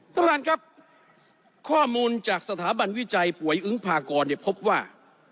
ท่านประธานครับข้อมูลจากสถาบันวิจัยป่วยอึ้งพากรเนี่ยพบว่า